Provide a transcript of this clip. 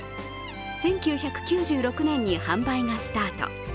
１９９６年に販売がスタート。